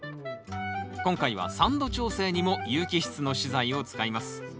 今回は酸度調整にも有機質の資材を使います。